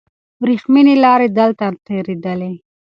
وریښمینې لارې دلته تېرېدلې.